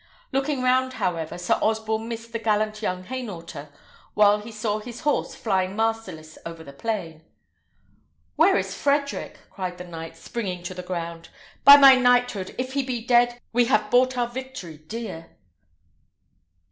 Looking round, however, Sir Osborne missed the gallant young Hainaulter, while he saw his horse flying masterless over the plain. "Where is Frederick?" cried the knight, springing to the ground. "By my knighthood! if he be dead, we have bought our victory dear!"